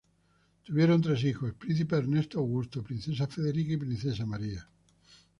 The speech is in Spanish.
Tuvieron tres hijos: príncipe Ernesto Augusto, princesa Federica, y princesa María.